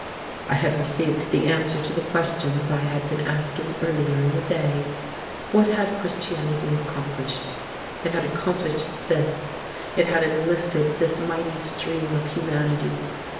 I had received the answer to the questions I had been asking earlier in the day: "What had Christianity accomplished?" It had accomplished this: It had enlisted this mighty stream of humanity.